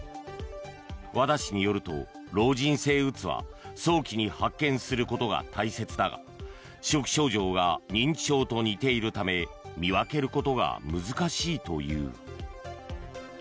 和田氏によると老人性うつは早期に発見することが大切だが初期症状が認知症と似ているため見分けることが難しいという。